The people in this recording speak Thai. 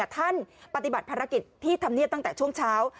ท่านปฏิบัติภาระกิจที่ทำเงียบตั้งแต่ช่วงเช้า